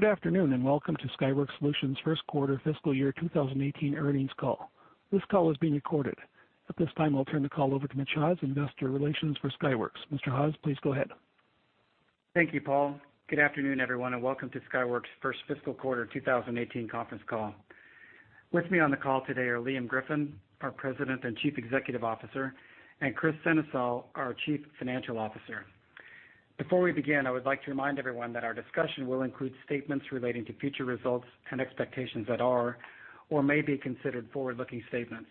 Good afternoon, welcome to Skyworks Solutions' first quarter fiscal year 2018 earnings call. This call is being recorded. At this time, I'll turn the call over to Mitch Haws, investor relations for Skyworks. Mr. Haws, please go ahead. Thank you, Paul. Good afternoon, everyone, welcome to Skyworks' first fiscal quarter 2018 conference call. With me on the call today are Liam Griffin, our President and Chief Executive Officer, and Kris Sennesael, our Chief Financial Officer. Before we begin, I would like to remind everyone that our discussion will include statements relating to future results and expectations that are or may be considered forward-looking statements.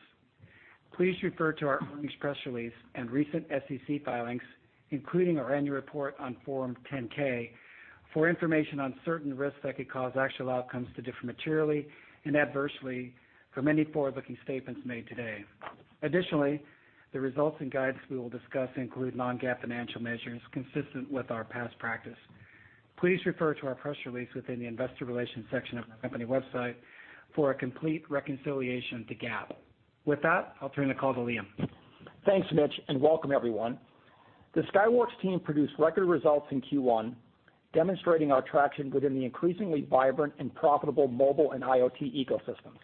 Please refer to our earnings press release and recent SEC filings, including our annual report on Form 10-K, for information on certain risks that could cause actual outcomes to differ materially and adversely from any forward-looking statements made today. Additionally, the results and guidance we will discuss include non-GAAP financial measures consistent with our past practice. Please refer to our press release within the investor relations section of our company website for a complete reconciliation to GAAP. With that, I'll turn the call to Liam. Thanks, Mitch, welcome everyone. The Skyworks team produced record results in Q1, demonstrating our traction within the increasingly vibrant and profitable mobile and IoT ecosystems.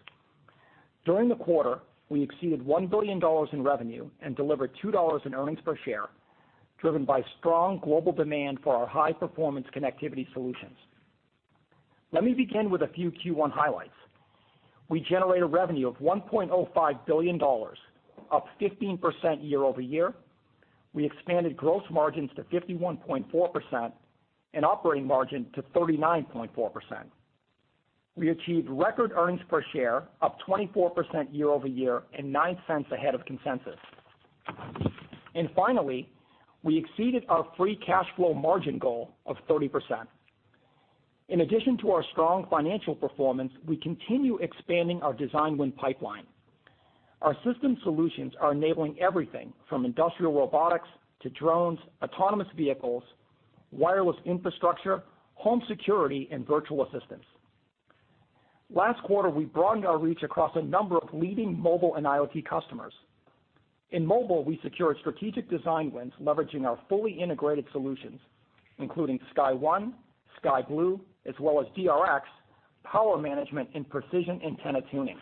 During the quarter, we exceeded $1 billion in revenue and delivered $2 in earnings per share, driven by strong global demand for our high-performance connectivity solutions. Let me begin with a few Q1 highlights. We generated revenue of $1.05 billion, up 15% year-over-year. We expanded gross margins to 51.4% and operating margin to 39.4%. We achieved record earnings per share up 24% year-over-year and $0.09 ahead of consensus. Finally, we exceeded our free cash flow margin goal of 30%. In addition to our strong financial performance, we continue expanding our design win pipeline. Our system solutions are enabling everything from industrial robotics to drones, autonomous vehicles, wireless infrastructure, home security, and virtual assistants. Last quarter, we broadened our reach across a number of leading mobile and IoT customers. In mobile, we secured strategic design wins leveraging our fully integrated solutions, including SkyOne, SkyBlue, as well as DRx, power management and precision antenna tuning.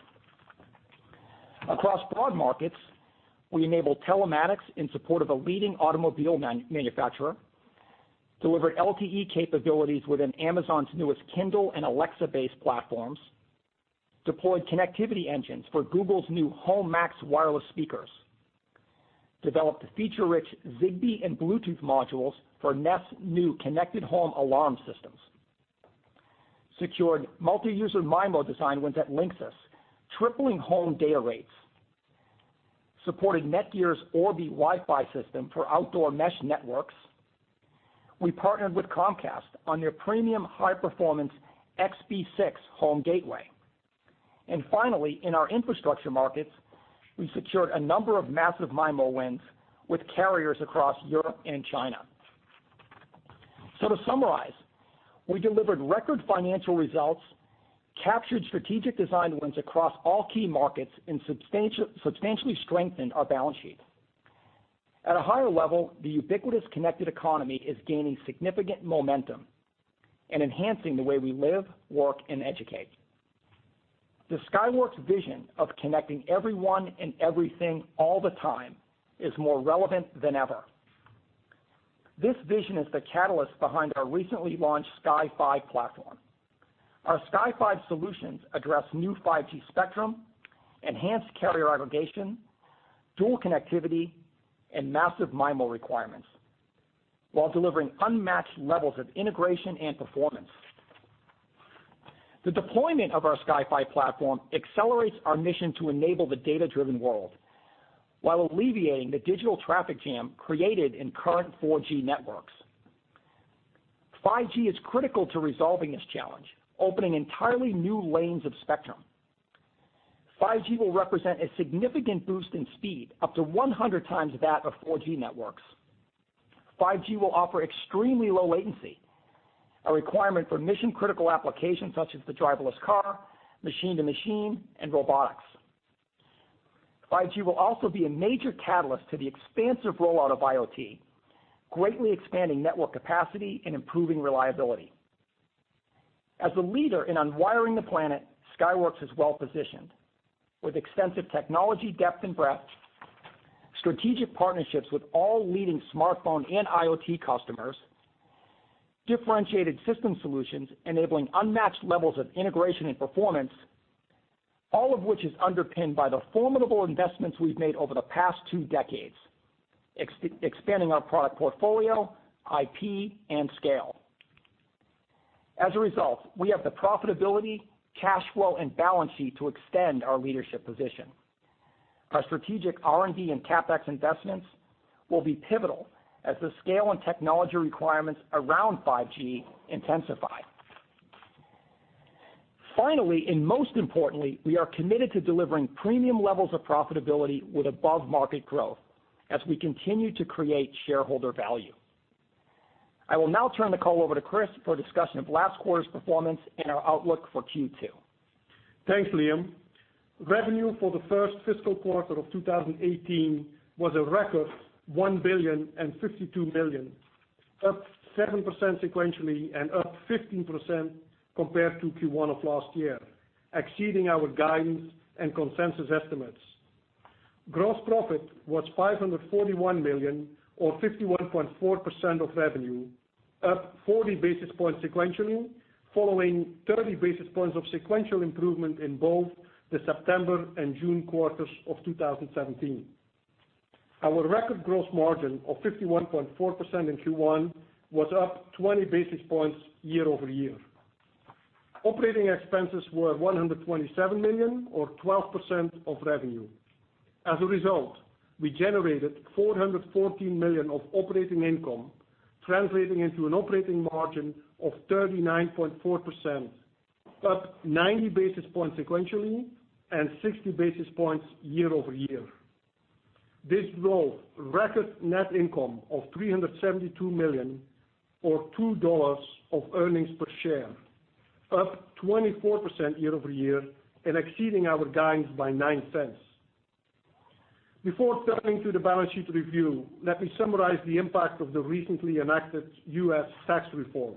Across broad markets, we enable telematics in support of a leading automobile manufacturer, delivered LTE capabilities within Amazon's newest Kindle and Alexa-based platforms, deployed connectivity engines for Google's new Home Max wireless speakers, developed feature-rich Zigbee and Bluetooth modules for Nest's new connected home alarm systems, secured multi-user MIMO design wins at Linksys, tripling home data rates, supported Netgear's Orbi Wi-Fi system for outdoor mesh networks. We partnered with Comcast on their premium high-performance xB6 home gateway. Finally, in our infrastructure markets, we secured a number of massive MIMO wins with carriers across Europe and China. To summarize, we delivered record financial results, captured strategic design wins across all key markets, and substantially strengthened our balance sheet. At a higher level, the ubiquitous connected economy is gaining significant momentum and enhancing the way we live, work, and educate. The Skyworks vision of connecting everyone and everything all the time is more relevant than ever. This vision is the catalyst behind our recently launched Sky5 platform. Our Sky5 solutions address new 5G spectrum, enhanced carrier aggregation, dual connectivity, and massive MIMO requirements while delivering unmatched levels of integration and performance. The deployment of our Sky5 platform accelerates our mission to enable the data-driven world while alleviating the digital traffic jam created in current 4G networks. 5G is critical to resolving this challenge, opening entirely new lanes of spectrum. 5G will represent a significant boost in speed, up to 100 times that of 4G networks. 5G will offer extremely low latency, a requirement for mission-critical applications such as the driverless car, machine-to-machine, and robotics. 5G will also be a major catalyst to the expansive rollout of IoT, greatly expanding network capacity and improving reliability. As the leader in unwiring the planet, Skyworks is well-positioned with extensive technology depth and breadth, strategic partnerships with all leading smartphone and IoT customers, differentiated system solutions enabling unmatched levels of integration and performance, all of which is underpinned by the formidable investments we've made over the past two decades, expanding our product portfolio, IP, and scale. As a result, we have the profitability, cash flow, and balance sheet to extend our leadership position. Our strategic R&D and CapEx investments will be pivotal as the scale and technology requirements around 5G intensify. Finally, most importantly, we are committed to delivering premium levels of profitability with above-market growth as we continue to create shareholder value. I will now turn the call over to Kris for a discussion of last quarter's performance and our outlook for Q2. Thanks, Liam. Revenue for the first fiscal quarter of 2018 was a record $1 billion and $52 million, up 7% sequentially and up 15% compared to Q1 of last year, exceeding our guidance and consensus estimates. Gross profit was $541 million, or 51.4% of revenue, up 40 basis points sequentially, following 30 basis points of sequential improvement in both the September and June quarters of 2017. Our record gross margin of 51.4% in Q1 was up 20 basis points year-over-year. Operating expenses were $127 million, or 12% of revenue. As a result, we generated $414 million of operating income, translating into an operating margin of 39.4%, up 90 basis points sequentially and 60 basis points year-over-year. This drove record net income of $372 million or $2 of earnings per share, up 24% year-over-year and exceeding our guidance by $0.09. Before turning to the balance sheet review, let me summarize the impact of the recently enacted U.S. tax reform.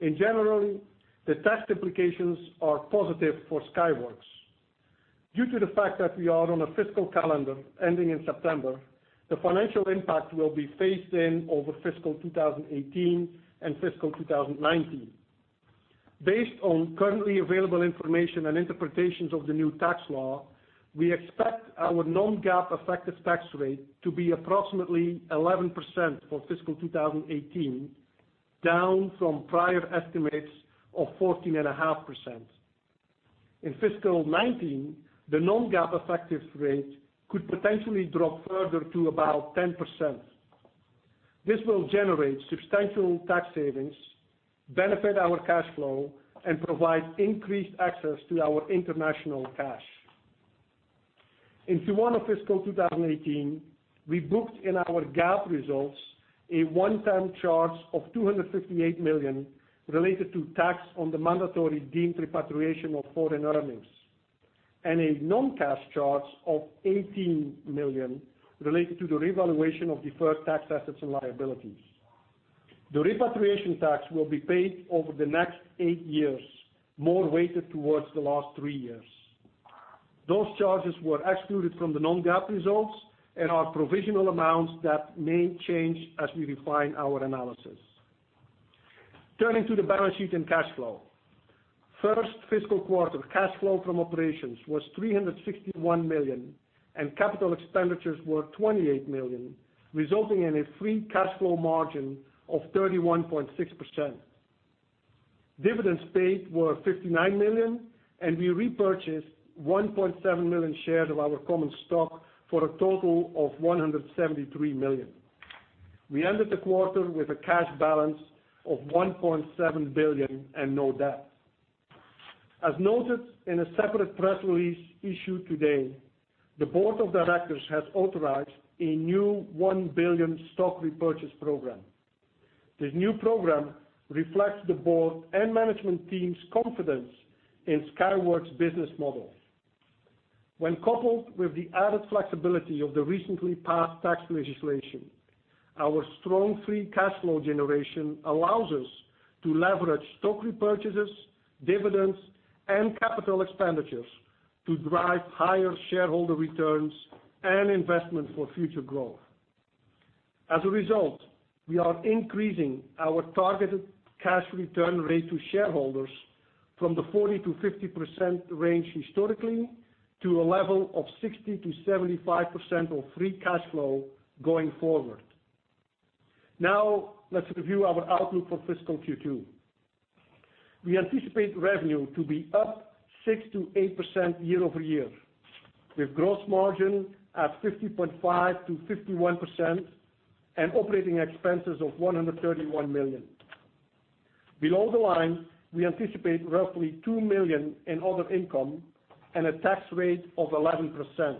In general, the tax implications are positive for Skyworks. Due to the fact that we are on a fiscal calendar ending in September, the financial impact will be phased in over fiscal 2018 and fiscal 2019. Based on currently available information and interpretations of the new tax law, we expect our non-GAAP effective tax rate to be approximately 11% for fiscal 2018, down from prior estimates of 14.5%. In fiscal 2019, the non-GAAP effective rate could potentially drop further to about 10%. This will generate substantial tax savings, benefit our cash flow, and provide increased access to our international cash. In Q1 of fiscal 2018, we booked in our GAAP results a one-time charge of $258 million related to tax on the mandatory deemed repatriation of foreign earnings, and a non-cash charge of $18 million related to the revaluation of deferred tax assets and liabilities. The repatriation tax will be paid over the next eight years, more weighted towards the last three years. Those charges were excluded from the non-GAAP results and are provisional amounts that may change as we refine our analysis. Turning to the balance sheet and cash flow. First fiscal quarter cash flow from operations was $361 million, and capital expenditures were $28 million, resulting in a free cash flow margin of 31.6%. Dividends paid were $59 million, and we repurchased 1.7 million shares of our common stock for a total of $173 million. We ended the quarter with a cash balance of $1.7 billion and no debt. As noted in a separate press release issued today, the board of directors has authorized a new $1 billion stock repurchase program. This new program reflects the board and management team's confidence in Skyworks' business model. When coupled with the added flexibility of the recently passed tax legislation, our strong free cash flow generation allows us to leverage stock repurchases, dividends, and capital expenditures to drive higher shareholder returns and investment for future growth. As a result, we are increasing our targeted cash return rate to shareholders from the 40%-50% range historically to a level of 60%-75% of free cash flow going forward. Now, let's review our outlook for fiscal Q2. We anticipate revenue to be up 6%-8% year-over-year, with gross margin at 50.5%-51% and operating expenses of $131 million. Below the line, we anticipate roughly $2 million in other income and a tax rate of 11%.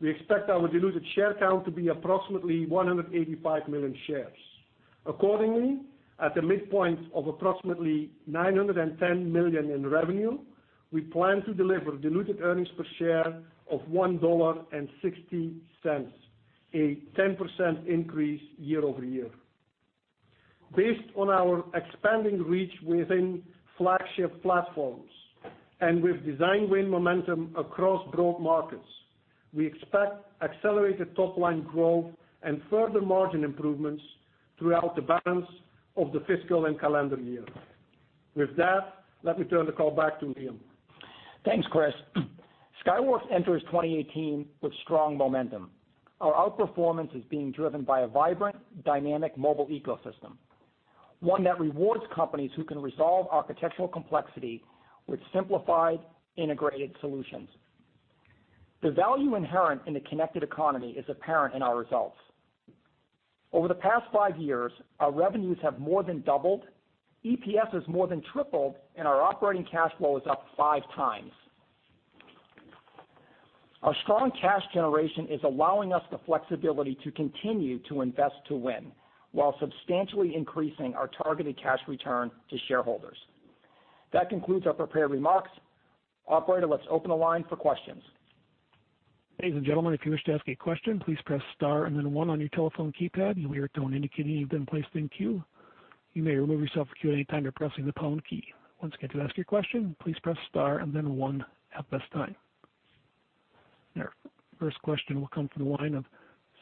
We expect our diluted share count to be approximately 185 million shares. Accordingly, at the midpoint of approximately $910 million in revenue, we plan to deliver diluted earnings per share of $1.60, a 10% increase year-over-year. Based on our expanding reach within flagship platforms and with design win momentum across broad markets, we expect accelerated top-line growth and further margin improvements throughout the balance of the fiscal and calendar year. With that, let me turn the call back to Liam. Thanks, Kris. Skyworks enters 2018 with strong momentum. Our outperformance is being driven by a vibrant, dynamic mobile ecosystem, one that rewards companies who can resolve architectural complexity with simplified, integrated solutions. The value inherent in the connected economy is apparent in our results. Over the past five years, our revenues have more than doubled, EPS has more than tripled, and our operating cash flow is up five times. Our strong cash generation is allowing us the flexibility to continue to invest to win while substantially increasing our targeted cash return to shareholders. That concludes our prepared remarks. Operator, let's open the line for questions. Ladies and gentlemen, if you wish to ask a question, please press star and then one on your telephone keypad. You'll hear a tone indicating you've been placed in queue. You may remove yourself from queue at any time by pressing the pound key. Once again, to ask your question, please press star and then one at this time. Your first question will come from the line of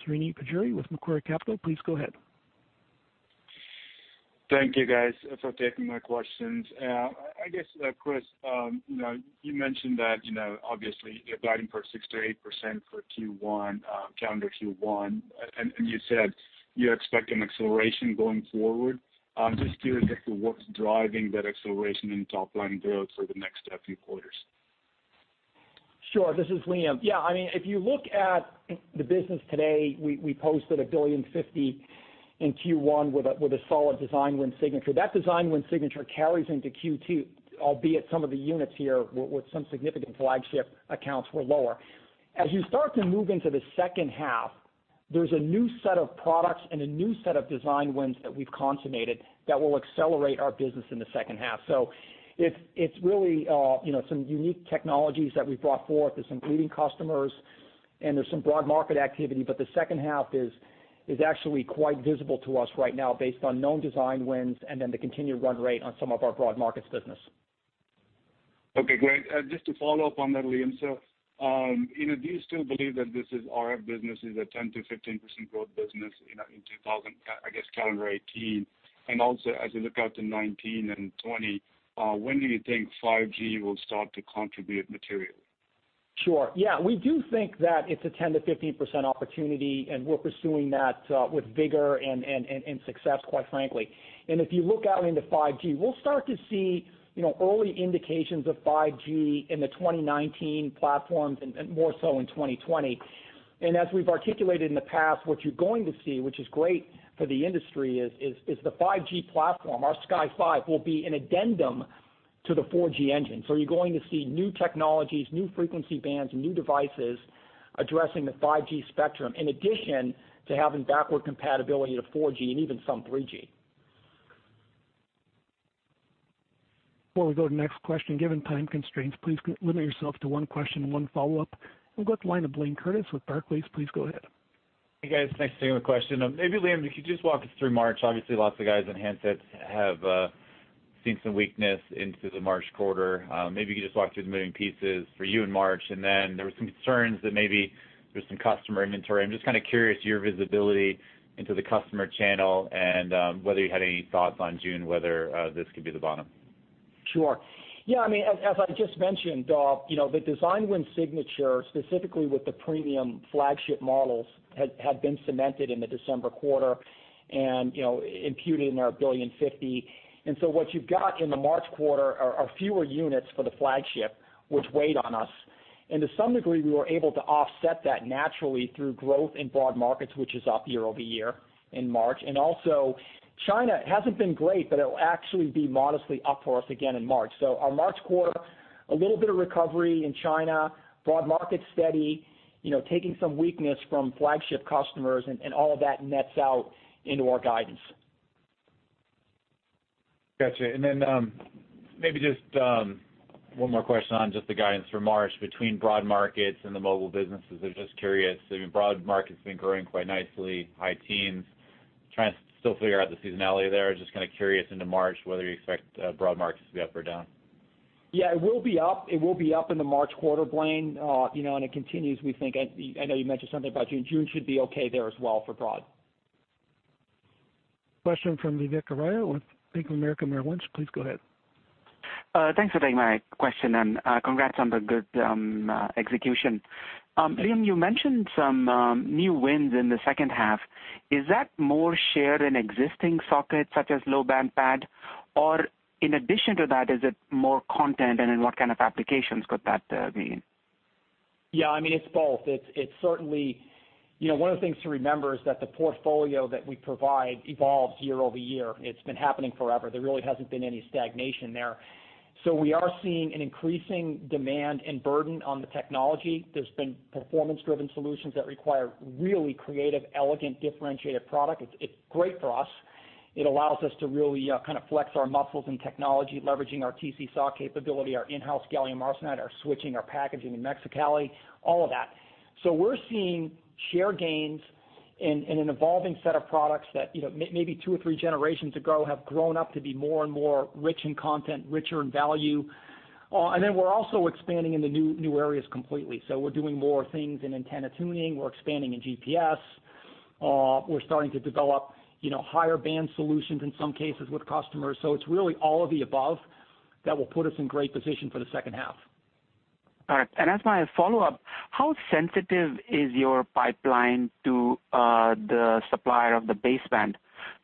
Srini Pajjuri with Macquarie Capital. Please go ahead. Thank you guys for taking my questions. I guess, Kris, you mentioned that obviously you're guiding for 6%-8% for calendar Q1, you said you expect an acceleration going forward. I'm just curious as to what's driving that acceleration in top line growth for the next few quarters. Sure. This is Liam. If you look at the business today, we posted $1.05 billion in Q1 with a solid design win signature. That design win signature carries into Q2, albeit some of the units here with some significant flagship accounts were lower. As you start to move into the second half, there's a new set of products and a new set of design wins that we've consummated that will accelerate our business in the second half. It's really some unique technologies that we've brought forth. There's some leading customers and there's some broad market activity, but the second half is actually quite visible to us right now based on known design wins and then the continued run rate on some of our broad markets business. Okay, great. Just to follow up on that, Liam. Do you still believe that this RF business is a 10%-15% growth business in calendar 2018, and also as we look out to 2019 and 2020, when do you think 5G will start to contribute materially? Sure. We do think that it's a 10%-15% opportunity, and we're pursuing that with vigor and success, quite frankly. If you look out into 5G, we'll start to see early indications of 5G in the 2019 platforms, and more so in 2020. As we've articulated in the past, what you're going to see, which is great for the industry, is the 5G platform, our Sky5, will be an addendum to the 4G engine. You're going to see new technologies, new frequency bands, and new devices addressing the 5G spectrum, in addition to having backward compatibility to 4G and even some 3G. Before we go to the next question, given time constraints, please limit yourself to one question and one follow-up. We'll go to the line of Blayne Curtis with Barclays. Please go ahead. Hey, guys. Thanks for taking my question. Maybe, Liam, if you could just walk us through March. Obviously, lots of guys in handsets have seen some weakness into the March quarter. Maybe you could just walk through the moving pieces for you in March. There were some concerns that maybe there's some customer inventory. I'm just kind of curious your visibility into the customer channel and whether you had any thoughts on June, whether this could be the bottom. Sure. As I just mentioned, the design win signature, specifically with the premium flagship models, had been cemented in the December quarter and imputed in our $1.05 billion. What you've got in the March quarter are fewer units for the flagship, which weighed on us, and to some degree, we were able to offset that naturally through growth in broad markets, which is up year-over-year in March. China, it hasn't been great, but it'll actually be modestly up for us again in March. Our March quarter, a little bit of recovery in China, broad market steady, taking some weakness from flagship customers, and all of that nets out into our guidance. Got you. Maybe just one more question on just the guidance for March between broad markets and the mobile businesses. I'm just curious, broad market's been growing quite nicely, high teens. Trying to still figure out the seasonality there. I was just kind of curious into March whether you expect broad markets to be up or down. Yeah, it will be up in the March quarter, Blayne. It continues, we think. I know you mentioned something about June. June should be okay there as well for broad. Question from Vivek Arya with Bank of America Merrill Lynch. Please go ahead. Thanks for taking my question and congrats on the good execution. Liam, you mentioned some new wins in the second half. Is that more shared in existing sockets, such as low band PAD, or in addition to that, is it more content, and in what kind of applications could that be in? It's both. One of the things to remember is that the portfolio that we provide evolves year-over-year. It's been happening forever. There really hasn't been any stagnation there. We are seeing an increasing demand and burden on the technology. There's been performance-driven solutions that require really creative, elegant, differentiated product. It's great for us. It allows us to really kind of flex our muscles in technology, leveraging our TC SAW capability, our in-house gallium arsenide, our switching, our packaging in Mexicali, all of that. We're seeing share gains in an evolving set of products that maybe two or three generations ago have grown up to be more and more rich in content, richer in value. We're also expanding in the new areas completely. We're doing more things in antenna tuning. We're expanding in GPS. We're starting to develop higher band solutions in some cases with customers. It's really all of the above that will put us in great position for the second half. All right. As my follow-up, how sensitive is your pipeline to the supplier of the baseband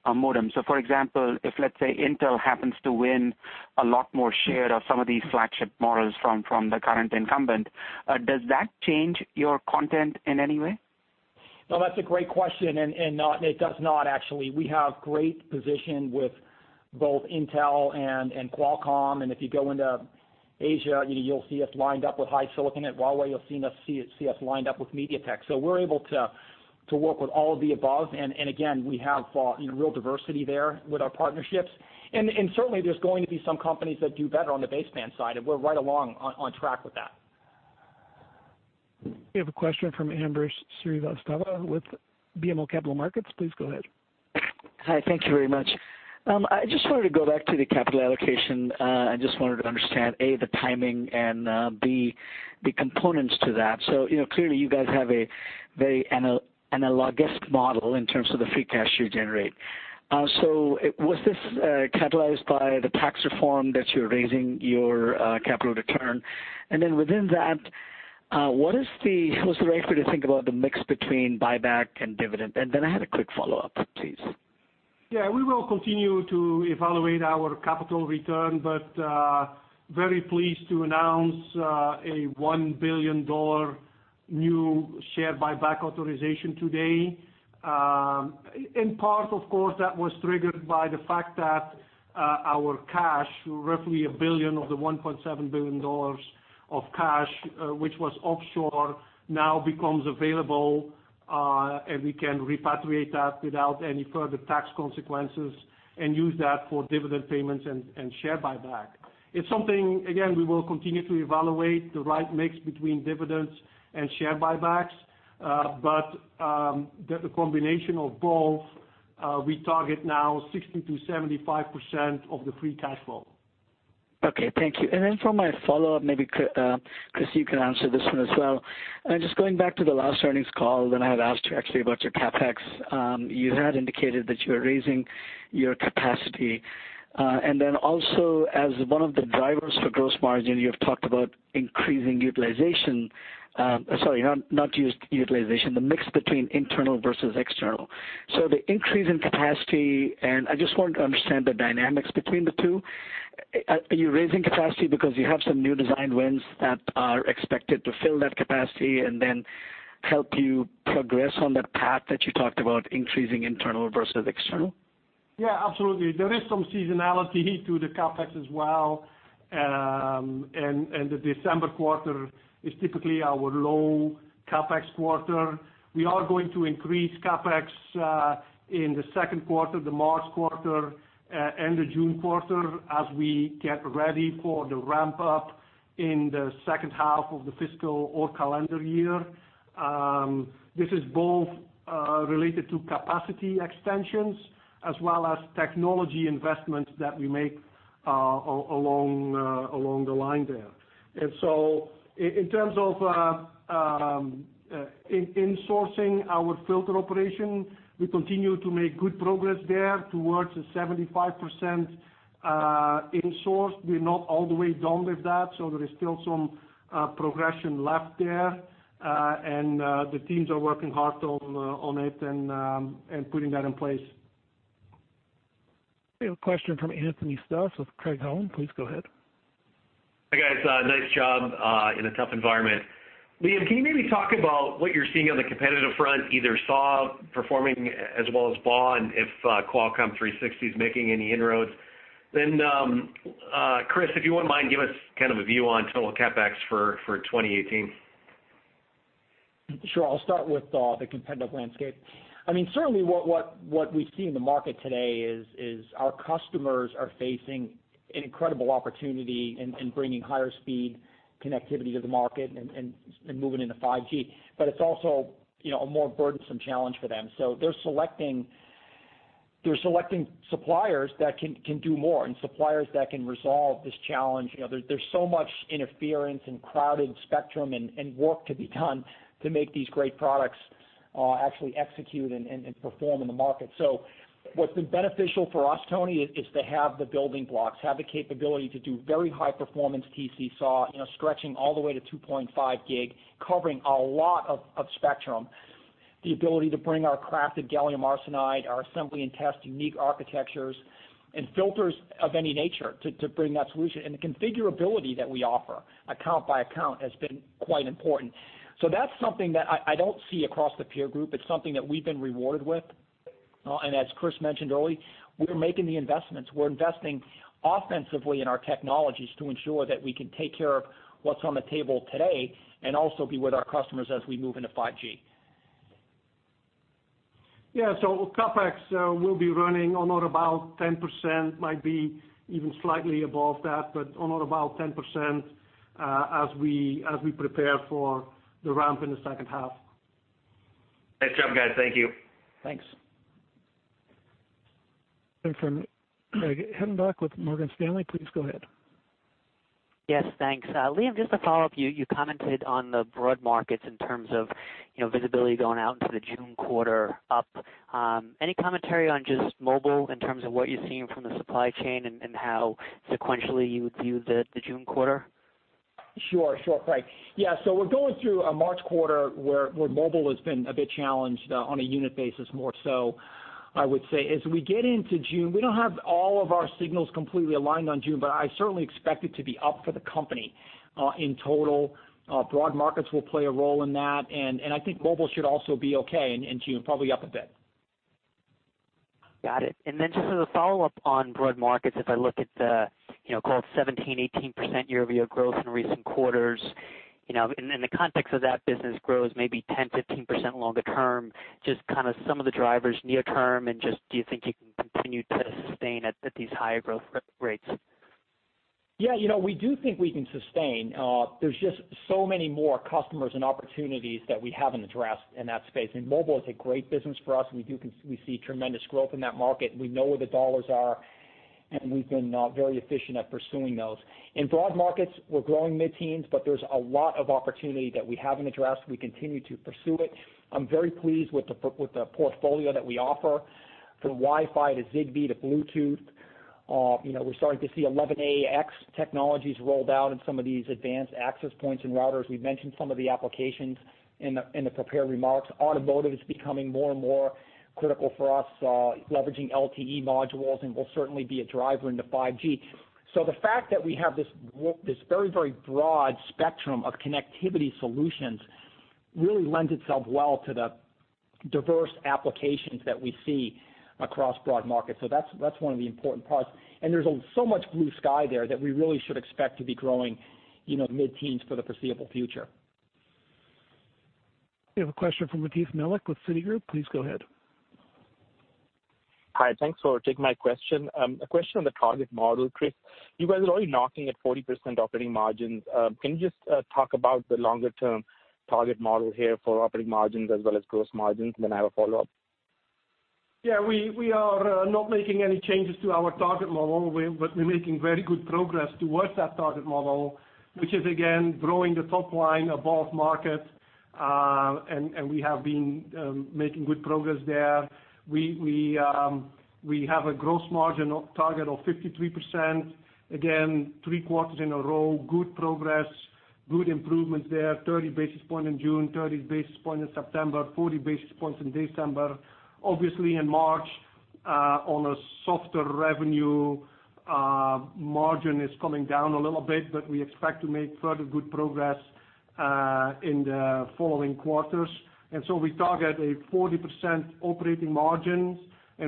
modem? For example, if let's say Intel happens to win a lot more share of some of these flagship models from the current incumbent, does that change your content in any way? No, that's a great question. It does not actually. We have great position with both Intel and Qualcomm. If you go into Asia, you'll see us lined up with HiSilicon. At Huawei, you'll see us lined up with MediaTek. We're able to work with all of the above. Again, we have real diversity there with our partnerships. Certainly, there's going to be some companies that do better on the baseband side. We're right along on track with that. We have a question from Ambrish Srivastava with BMO Capital Markets. Please go ahead. Hi, thank you very much. I just wanted to go back to the capital allocation. I just wanted to understand, A, the timing, and B, the components to that. Clearly, you guys have a very analogous model in terms of the free cash you generate. Was this catalyzed by the tax reform that you're raising your capital return? Within that, what's the right way to think about the mix between buyback and dividend? I had a quick follow-up, please. Yeah, we will continue to evaluate our capital return, very pleased to announce a $1 billion new share buyback authorization today. In part, of course, that was triggered by the fact that our cash, roughly a billion of the $1.7 billion of cash, which was offshore, now becomes available, and we can repatriate that without any further tax consequences and use that for dividend payments and share buyback. It's something, again, we will continue to evaluate the right mix between dividends and share buybacks. The combination of both, we target now 60%-75% of the free cash flow. Okay. Thank you. For my follow-up, maybe, Kris, you can answer this one as well. Just going back to the last earnings call, I had asked you actually about your CapEx. You had indicated that you were raising your capacity. Also as one of the drivers for gross margin, you have talked about increasing utilization. Sorry, not utilization, the mix between internal versus external. The increase in capacity, I just wanted to understand the dynamics between the two. Are you raising capacity because you have some new design wins that are expected to fill that capacity and then help you progress on that path that you talked about increasing internal versus external? Yeah, absolutely. There is some seasonality to the CapEx as well. The December quarter is typically our low CapEx quarter. We are going to increase CapEx in the second quarter, the March quarter, and the June quarter as we get ready for the ramp-up in the second half of the fiscal or calendar year. This is both related to capacity extensions as well as technology investments that we make along the line there. In terms of insourcing our filter operation, we continue to make good progress there towards the 75% insourced. We're not all the way done with that, so there is still some progression left there. The teams are working hard on it and putting that in place. We have a question from Anthony Stoss with Craig-Hallum. Please go ahead. Hi, guys. Nice job in a tough environment. Liam, can you maybe talk about what you're seeing on the competitive front, either SAW performing as well as BAW and if Qualcomm RF360 is making any inroads? Kris, if you wouldn't mind, give us kind of a view on total CapEx for 2018. Sure. I'll start with the competitive landscape. Certainly, what we see in the market today is our customers are facing an incredible opportunity in bringing higher speed connectivity to the market and moving into 5G. It's also a more burdensome challenge for them. They're selecting suppliers that can do more and suppliers that can resolve this challenge. There's so much interference and crowded spectrum and work to be done to make these great products actually execute and perform in the market. What's been beneficial for us, Tony, is to have the building blocks, have the capability to do very high performance TC SAW, stretching all the way to 2.5 gig, covering a lot of spectrum. The ability to bring our crafted gallium arsenide, our assembly and test unique architectures, and filters of any nature to bring that solution, and the configurability that we offer account by account has been quite important. That's something that I don't see across the peer group. It's something that we've been rewarded with. As Kris mentioned earlier, we're making the investments. We're investing offensively in our technologies to ensure that we can take care of what's on the table today and also be with our customers as we move into 5G. Yeah. CapEx will be running on or about 10%, might be even slightly above that, but on or about 10% as we prepare for the ramp in the second half. Nice job, guys. Thank you. Thanks. From Craig Hettenbach with Morgan Stanley. Please go ahead. Yes. Thanks. Liam, just to follow up, you commented on the broad markets in terms of visibility going out into the June quarter up. Any commentary on just mobile in terms of what you're seeing from the supply chain and how sequentially you would view the June quarter? Sure, Craig. Yeah, we're going through a March quarter where mobile has been a bit challenged on a unit basis more so I would say as we get into June, we don't have all of our signals completely aligned on June, but I certainly expect it to be up for the company in total. Broad markets will play a role in that, I think mobile should also be okay in June, probably up a bit. Got it. Just as a follow-up on broad markets, if I look at the 17%-18% year-over-year growth in recent quarters, in the context of that business grows maybe 10%-15% longer term, just kind of some of the drivers near term, do you think you can continue to sustain at these higher growth rates? Yeah, we do think we can sustain. There's just so many more customers and opportunities that we haven't addressed in that space. Mobile is a great business for us, we see tremendous growth in that market, we know where the dollars are, we've been very efficient at pursuing those. In broad markets, we're growing mid-teens, there's a lot of opportunity that we haven't addressed. We continue to pursue it. I'm very pleased with the portfolio that we offer, from Wi-Fi to Zigbee to Bluetooth. We're starting to see 802.11ax technologies rolled out in some of these advanced access points and routers. We've mentioned some of the applications in the prepared remarks. Automotive is becoming more and more critical for us, leveraging LTE modules and will certainly be a driver into 5G. The fact that we have this very broad spectrum of connectivity solutions really lends itself well to the diverse applications that we see across broad markets. That's one of the important parts. There's so much blue sky there that we really should expect to be growing mid-teens for the foreseeable future. We have a question from Mathi Melick with Citigroup. Please go ahead. Hi. Thanks for taking my question. A question on the target model, Kris. You guys are already knocking at 40% operating margins. Can you just talk about the longer-term target model here for operating margins as well as gross margins? I have a follow-up. Yeah, we are not making any changes to our target model. We're making very good progress towards that target model, which is again, growing the top line above market. We have been making good progress there. We have a gross margin target of 53%. Again, three quarters in a row, good progress, good improvements there, 30 basis points in June, 30 basis points in September, 40 basis points in December. Obviously in March, on a softer revenue, margin is coming down a little bit, but we expect to make further good progress in the following quarters. So we target a 40% operating margin,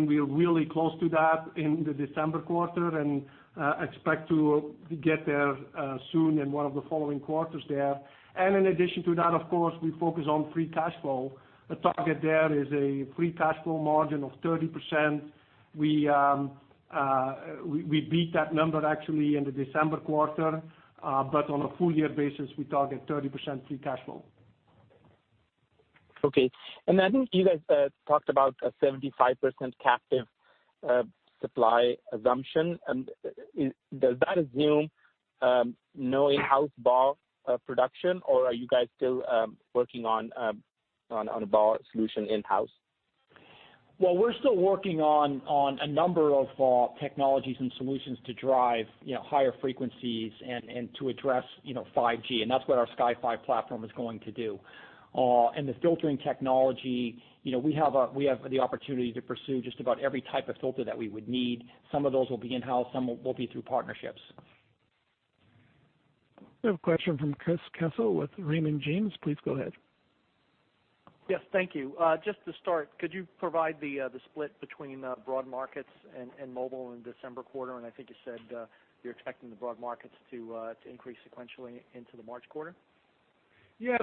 we are really close to that in the December quarter and expect to get there soon in one of the following quarters there. In addition to that, of course, we focus on free cash flow. The target there is a free cash flow margin of 30%. We beat that number actually in the December quarter. On a full year basis, we target 30% free cash flow. Okay. I think you guys talked about a 75% captive supply assumption. Does that assume no in-house BAW production, or are you guys still working on a BAW solution in-house? Well, we're still working on a number of technologies and solutions to drive higher frequencies and to address 5G, and that's what our Sky5 platform is going to do. The filtering technology, we have the opportunity to pursue just about every type of filter that we would need. Some of those will be in-house, some will be through partnerships. We have a question from Chris Caso with Raymond James. Please go ahead. Yes, thank you. Just to start, could you provide the split between broad markets and mobile in the December quarter? I think you said, you're expecting the broad markets to increase sequentially into the March quarter? Yeah.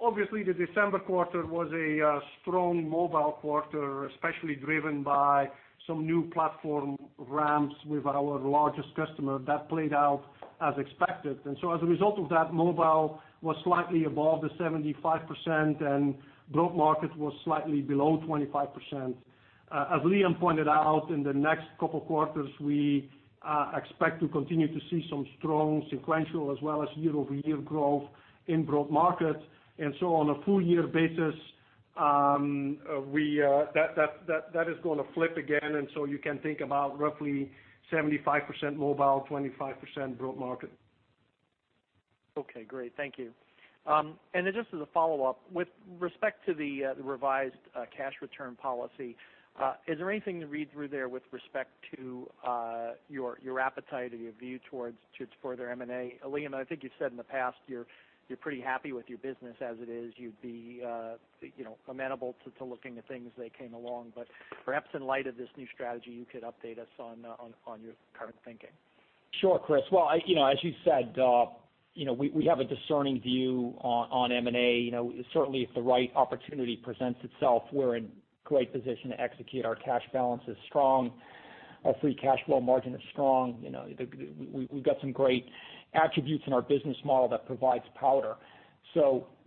Obviously the December quarter was a strong mobile quarter, especially driven by some new platform ramps with our largest customer. That played out as expected. As a result of that, mobile was slightly above the 75% and broad market was slightly below 25%. As Liam pointed out, in the next couple of quarters, we expect to continue to see some strong sequential as well as year-over-year growth in broad markets. On a full year basis, that is going to flip again, you can think about roughly 75% mobile, 25% broad market. Okay, great. Thank you. Just as a follow-up, with respect to the revised cash return policy, is there anything to read through there with respect to your appetite or your view towards further M&A? Liam, I think you said in the past, you're pretty happy with your business as it is. You'd be amenable to looking at things that came along. Perhaps in light of this new strategy, you could update us on your current thinking. Sure, Chris. Well, as you said, we have a discerning view on M&A. Certainly if the right opportunity presents itself, we're in great position to execute. Our cash balance is strong. Our free cash flow margin is strong. We've got some great attributes in our business model that provides powder.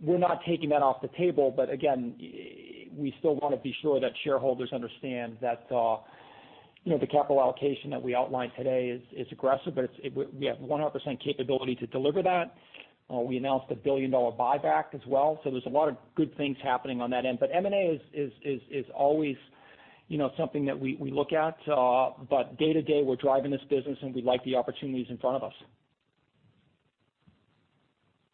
We're not taking that off the table, but again, we still want to be sure that shareholders understand that the capital allocation that we outlined today is aggressive, but we have 100% capability to deliver that. We announced a $1 billion buyback as well, there's a lot of good things happening on that end. M&A is always something that we look at. Day to day, we're driving this business, and we like the opportunities in front of us.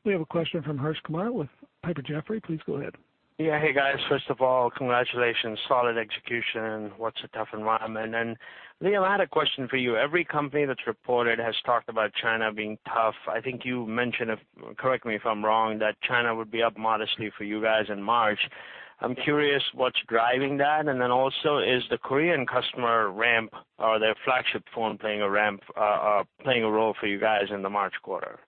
We have a question from Harsh Kumar with Piper Jaffray. Please go ahead. Yeah. Hey, guys. First of all, congratulations. Solid execution in what's a tough environment. Liam, I had a question for you. Every company that's reported has talked about China being tough. I think you mentioned, correct me if I'm wrong, that China would be up modestly for you guys in March. I'm curious what's driving that, and then also is the Korean customer ramp or their flagship phone playing a role for you guys in the March quarter?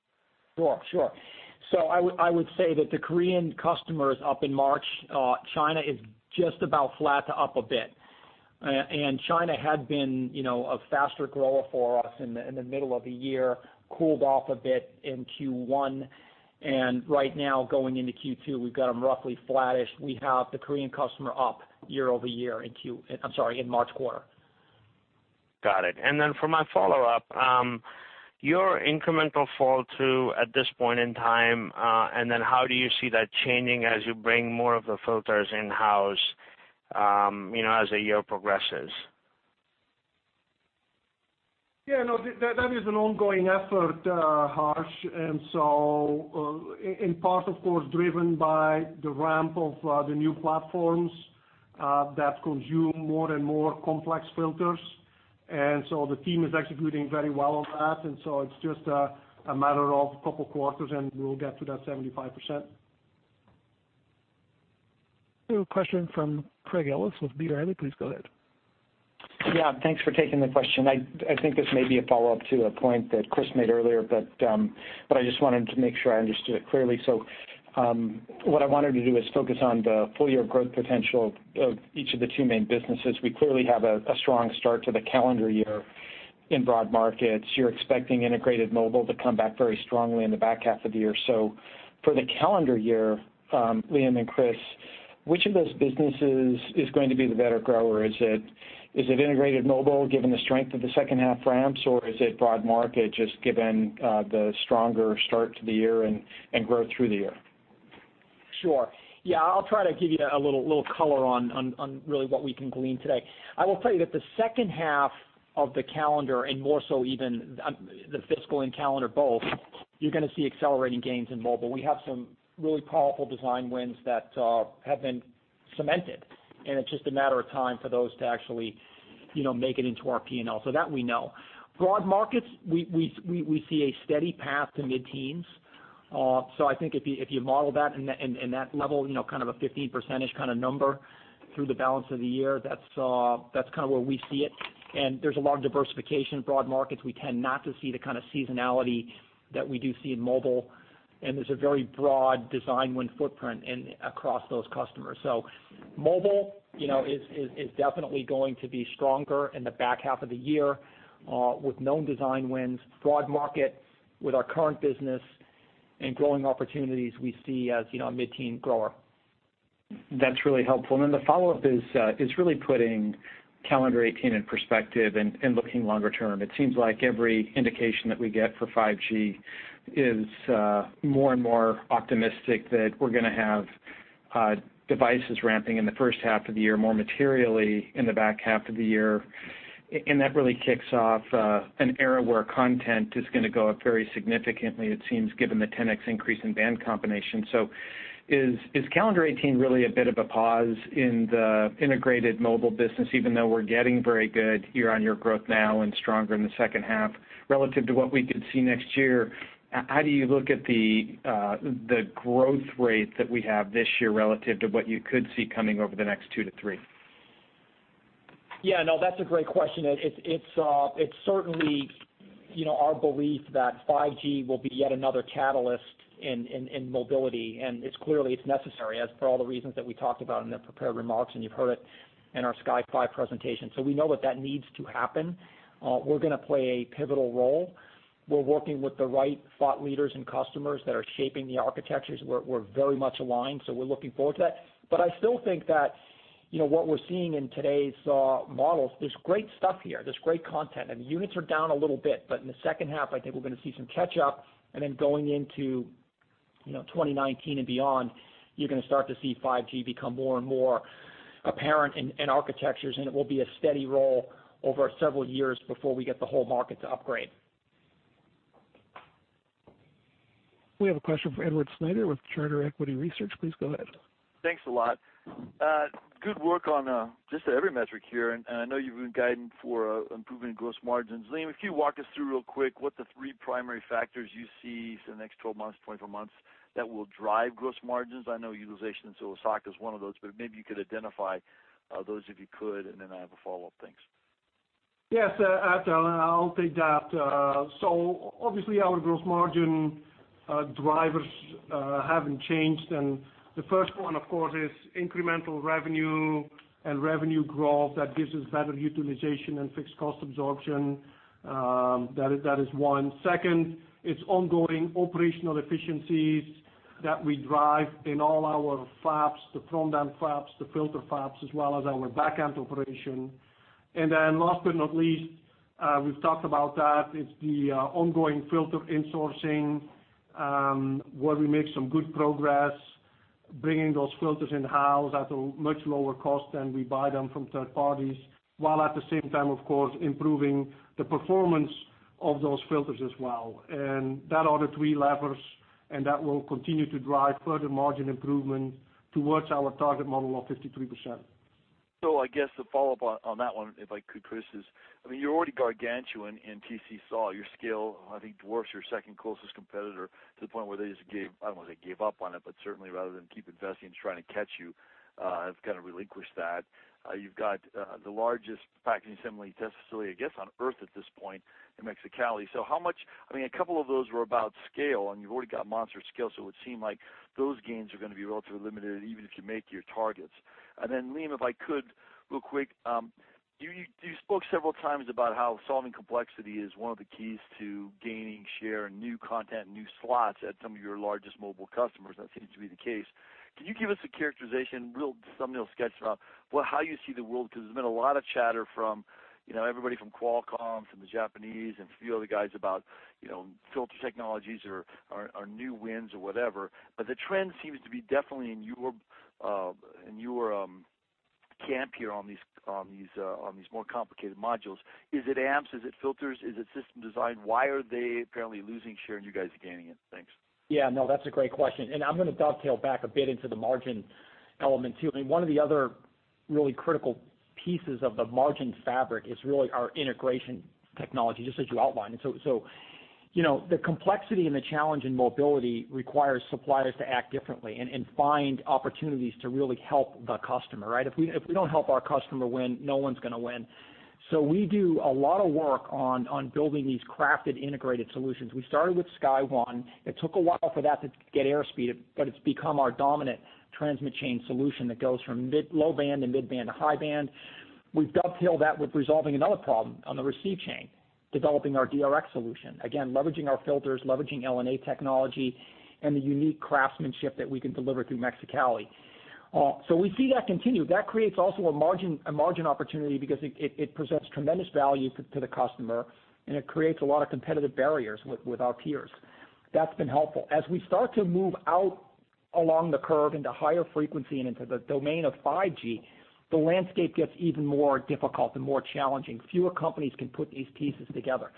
Sure. I would say that the Korean customer is up in March. China is just about flat to up a bit. China had been a faster grower for us in the middle of the year, cooled off a bit in Q1, and right now, going into Q2, we've got them roughly flattish. We have the Korean customer up year-over-year in March quarter. Got it. For my follow-up, your incremental fall to at this point in time, how do you see that changing as you bring more of the filters in-house as the year progresses? Yeah, no, that is an ongoing effort, Harsh Kumar. In part, of course, driven by the ramp of the new platforms that consume more and more complex filters. The team is executing very well on that. It's just a matter of a couple of quarters, and we'll get to that 75%. We have a question from Craig Ellis with B. Riley. Please go ahead. Yeah, thanks for taking the question. I think this may be a follow-up to a point that Kris made earlier, but I just wanted to make sure I understood it clearly. What I wanted to do is focus on the full-year growth potential of each of the two main businesses. We clearly have a strong start to the calendar year in broad markets. You're expecting integrated mobile to come back very strongly in the back half of the year. For the calendar year, Liam and Kris, which of those businesses is going to be the better grower? Is it integrated mobile, given the strength of the second half ramps, or is it broad market, just given the stronger start to the year and growth through the year? Sure. Yeah, I'll try to give you a little color on really what we can glean today. I will tell you that the second half of the calendar, and more so even the fiscal and calendar both, you're going to see accelerating gains in mobile. We have some really powerful design wins that have been cemented, and it's just a matter of time for those to actually make it into our P&L. That we know. Broad markets, we see a steady path to mid-teens. I think if you model that and that level, kind of a 15% kind of number through the balance of the year, that's kind of where we see it. There's a lot of diversification in broad markets. We tend not to see the kind of seasonality that we do see in mobile, there's a very broad design win footprint across those customers. Mobile is definitely going to be stronger in the back half of the year with known design wins. Broad market with our current business and growing opportunities, we see as a mid-teen grower. That's really helpful. The follow-up is really putting calendar 2018 in perspective and looking longer term. It seems like every indication that we get for 5G is more and more optimistic that we're going to have devices ramping in the first half of the year, more materially in the back half of the year. That really kicks off an era where content is going to go up very significantly, it seems, given the 10x increase in band combination. Is calendar 2018 really a bit of a pause in the integrated mobile business, even though we're getting very good year-over-year growth now and stronger in the second half relative to what we could see next year? How do you look at the growth rate that we have this year relative to what you could see coming over the next 2 to 3? Yeah, no, that's a great question. It's certainly our belief that 5G will be yet another catalyst in mobility, and clearly, it's necessary, as for all the reasons that we talked about in the prepared remarks, and you've heard it in our Sky5 presentation. We know that that needs to happen. We're going to play a pivotal role. We're working with the right thought leaders and customers that are shaping the architectures. We're very much aligned, we're looking forward to that. I still think that what we're seeing in today's models, there's great stuff here. There's great content, units are down a little bit. In the second half, I think we're going to see some catch up, then going into 2019 and beyond, you're going to start to see 5G become more and more apparent in architectures, it will be a steady roll over several years before we get the whole market to upgrade. We have a question from Edward Snyder with Charter Equity Research. Please go ahead. Thanks a lot. Good work on just every metric here, I know you've been guiding for improvement in gross margins. Liam, can you walk us through real quick what the three primary factors you see for the next 12 months, 24 months that will drive gross margins? I know utilization in Osaka is one of those, maybe you could identify those if you could, then I have a follow-up. Thanks. Yes, Ed. Obviously, our gross margin drivers haven't changed. The first one, of course, is incremental revenue and revenue growth that gives us better utilization and fixed cost absorption. That is one. Second, it's ongoing operational efficiencies that we drive in all our fabs, the front-end fabs, the filter fabs, as well as our back-end operation. Last but not least, we've talked about that, it's the ongoing filter insourcing, where we made some good progress bringing those filters in-house at a much lower cost than we buy them from third parties, while at the same time, of course, improving the performance of those filters as well. That are the three levers, and that will continue to drive further margin improvement towards our target model of 53%. I guess the follow-up on that one, if I could, Kris, is, you're already gargantuan in TC SAW. Your scale, I think, dwarfs your second closest competitor to the point where they just gave, I don't want to say gave up on it, but certainly rather than keep investing in trying to catch you, have kind of relinquished that. You've got the largest packaging assembly test facility, I guess, on Earth at this point in Mexicali. How much. A couple of those were about scale, and you've already got monster scale, so it would seem like those gains are going to be relatively limited even if you make your targets. Liam, if I could real quick. You spoke several times about how solving complexity is one of the keys to gaining share and new content, new slots at some of your largest mobile customers. That seems to be the case. Can you give us a characterization, real thumbnail sketch about how you see the world? There's been a lot of chatter from everybody from Qualcomm to the Japanese and a few other guys about filter technologies or new wins or whatever. The trend seems to be definitely in your camp here on these more complicated modules. Is it amps? Is it filters? Is it system design? Why are they apparently losing share and you guys are gaining it? Thanks. That's a great question, and I'm going to dovetail back a bit into the margin element, too. One of the other really critical pieces of the margin fabric is really our integration technology, just as you outlined. The complexity and the challenge in mobility requires suppliers to act differently and find opportunities to really help the customer, right? If we don't help our customer win, no one's going to win. We do a lot of work on building these crafted integrated solutions. We started with SkyOne. It took a while for that to get air speed, but it's become our dominant transmit chain solution that goes from low band to mid-band to high band. We've dovetailed that with resolving another problem on the receive chain, developing our DRx solution. Leveraging our filters, leveraging LNA technology, and the unique craftsmanship that we can deliver through Mexicali. We see that continue. That creates also a margin opportunity because it presents tremendous value to the customer and it creates a lot of competitive barriers with our peers. That's been helpful. As we start to move out along the curve into higher frequency and into the domain of 5G, the landscape gets even more difficult and more challenging. Fewer companies can put these pieces together.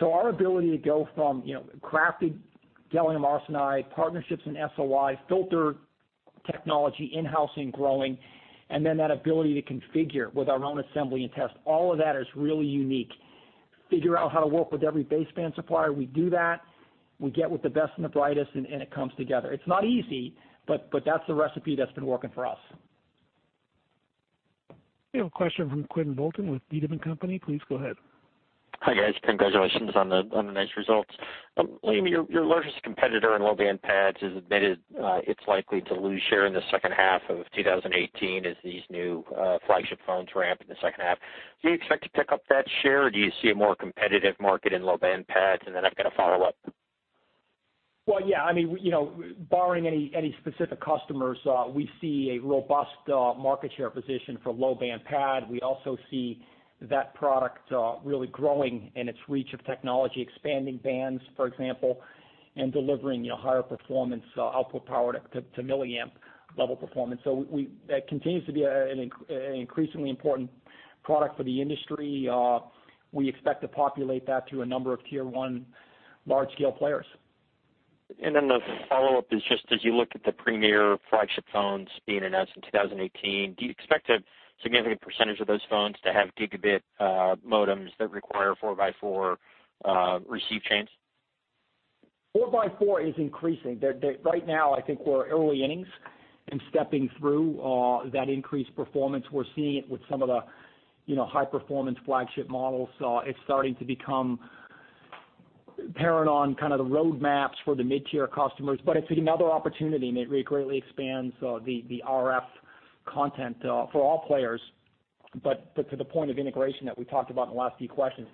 Our ability to go from crafted gallium arsenide, partnerships in SOI, filter technology in-house and growing, and then that ability to configure with our own assembly and test, all of that is really unique. Figure out how to work with every baseband supplier. We do that. We get with the best and the brightest, and it comes together. It's not easy, that's the recipe that's been working for us. We have a question from Quinn Bolton with Needham & Company. Please go ahead. Hi, guys. Congratulations on the nice results. Liam, your largest competitor in low band PADs has admitted it's likely to lose share in the second half of 2018 as these new flagship phones ramp in the second half. Do you expect to pick up that share, or do you see a more competitive market in low band PADs? Then I've got a follow-up. Well, yeah. Barring any specific customers, we see a robust market share position for low band PAD. We also see that product really growing in its reach of technology, expanding bands, for example, and delivering higher performance output power to milliamp level performance. That continues to be an increasingly important product for the industry. We expect to populate that through a number of tier 1 large-scale players. The follow-up is just as you look at the premier flagship phones being announced in 2018, do you expect a significant percentage of those phones to have gigabit modems that require four by four receive chains? Four by four is increasing. Right now, I think we're early innings in stepping through that increased performance. We're seeing it with some of the high-performance flagship models. It's starting to become apparent on kind of the roadmaps for the mid-tier customers. It's another opportunity, and it greatly expands the RF content for all players. To the point of integration that we talked about in the last few questions,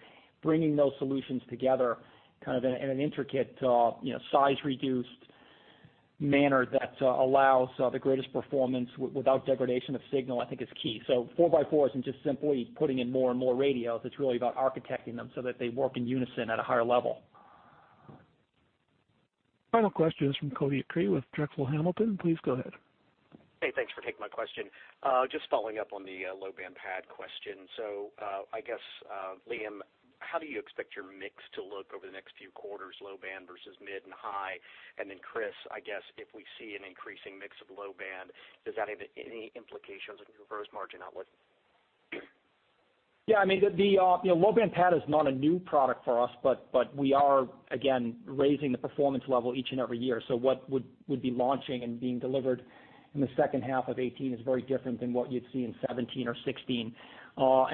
bringing those solutions together kind of in an intricate, size-reduced manner that allows the greatest performance without degradation of signal, I think is key. Four by four isn't just simply putting in more and more radios. It's really about architecting them so that they work in unison at a higher level. Final question is from Kovio Cree with Drexel Hamilton. Please go ahead. Hey, thanks for taking my question. Just following up on the low band PAD question. I guess, Liam, how do you expect your mix to look over the next few quarters, low band versus mid and high? Kris, I guess if we see an increasing mix of low band, does that have any implications on your gross margin outlook? Yeah, low band PAD is not a new product for us, but we are, again, raising the performance level each and every year. What would be launching and being delivered in the second half of 2018 is very different than what you'd see in 2017 or 2016.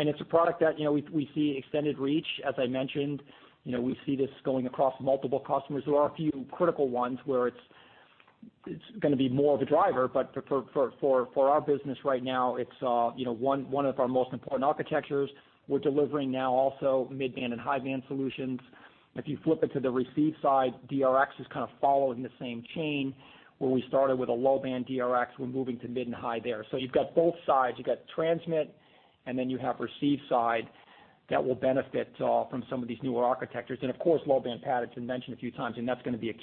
It's a product that we see extended reach, as I mentioned. We see this going across multiple customers. There are a few critical ones where it's going to be more of a driver, but for our business right now, it's one of our most important architectures. We're delivering now also mid-band and high-band solutions. If you flip it to the receive side, DRx is kind of following the same chain where we started with a low-band DRx, we're moving to mid and high there. You've got both sides. You've got transmit, and then you have receive side that will benefit from some of these newer architectures. Of course, low-band PAD, it's been mentioned a few times, and that's going to be a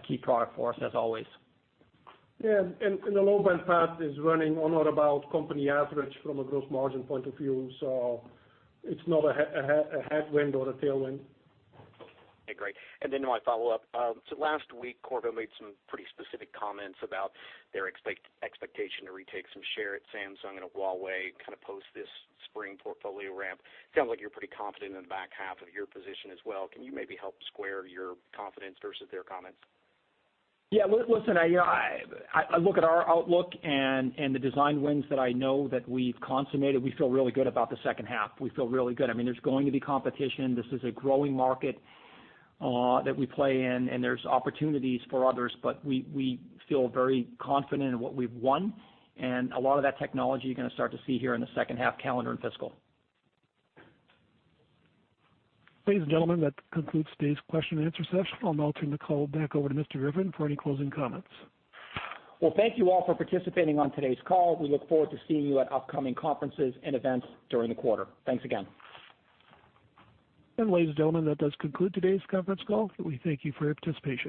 key product for us, as always. Yeah, the low-band PAD is running on or about company average from a gross margin point of view. It's not a headwind or a tailwind. My follow-up. Last week, Qorvo made some pretty specific comments about their expectation to retake some share at Samsung and at Huawei kind of post this spring portfolio ramp. Sounds like you're pretty confident in the back half of your position as well. Can you maybe help square your confidence versus their comments? Yeah. Listen, I look at our outlook and the design wins that I know that we've consummated. We feel really good about the second half. We feel really good. There's going to be competition. This is a growing market that we play in, and there's opportunities for others, but we feel very confident in what we've won, and a lot of that technology you're going to start to see here in the second half calendar and fiscal. Ladies and gentlemen, that concludes today's question and answer session. I'll now turn the call back over to Mr. Griffin for any closing comments. Thank you all for participating on today's call. We look forward to seeing you at upcoming conferences and events during the quarter. Thanks again. Ladies and gentlemen, that does conclude today's conference call. We thank you for your participation.